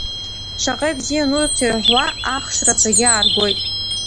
Шаҟа ибзиан урҭ ирҳәуа, ахш рацәагь ааргоит.